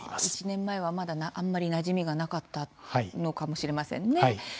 １年前はまだあんまりなじみがなかったのかもしれませんね。